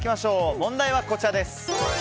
問題はこちらです。